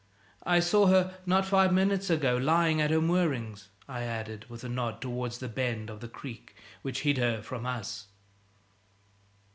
"I saw her, not five minutes ago, lying at her moorings," I added, with a nod towards the bend of the creek which hid her from us.